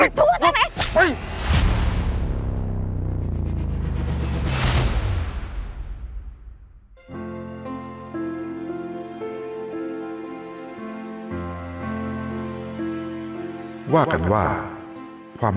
เป็นชูกันใช่ไหมเป็นชูกันใช่ไหม